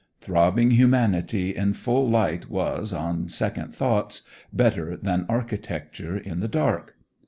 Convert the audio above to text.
Throbbing humanity in full light was, on second thoughts, better than architecture in the dark.